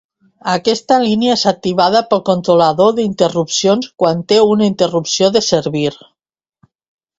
Aquesta línia és activada pel controlador d'interrupcions quan té una interrupció de servir.